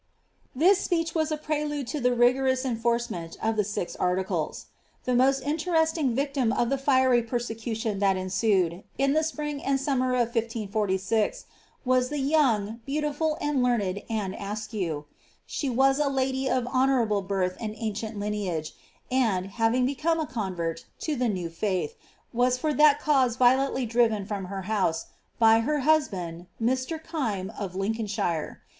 "* This speech was a prelude to the rigorous enforcement of the six articles. The most interesting victim of the fiery persecution that en sued, in the spring and summer of 1546, was the young, beautiful, and learned Anne Askew.' She was a lady of honourable birth and ancient lineage, and, having become a convert to the new faith, was for that cause violently driven from her home, by her husband, Mr. Kynie, of Lincolnshire.